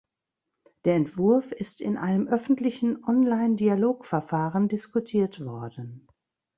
Der Entwurf ist in einem öffentlichen Online-Dialogverfahren diskutiert worden.